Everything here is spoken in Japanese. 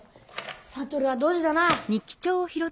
悟はドジだな。